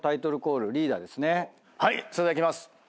それではいきます。